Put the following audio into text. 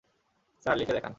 Sir, লিখে দেখান।